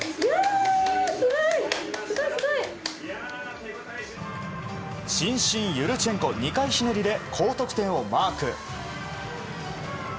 すごい！伸身ユルチェンコ２回ひねりで高得点をマーク。